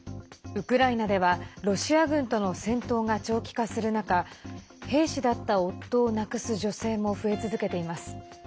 ウクライナではロシア軍との戦闘が長期化する中兵士だった夫を亡くす女性も増え続けています。